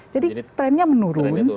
jadi trennya menurun